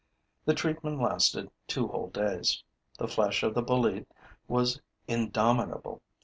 The treatment lasted two whole days. The flesh of the bolete was indomitable.